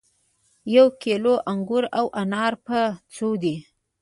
یو کیلو انګور او انار په څو دي